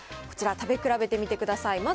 こちら、食べ比べてみてください。